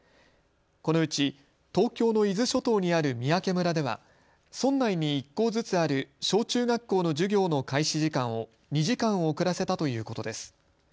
このうち東京の伊豆諸島にある三宅村では村内に１校ずつある小中学校の授業の開始時間を２時間遅らせたということです。